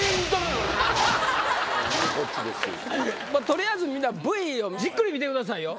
取りあえずみんなＶＴＲをじっくり見てくださいよ。